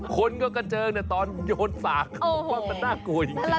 คนก็เจิงแต่ตอนโยนฝากมันน่ากลัวอย่างนี้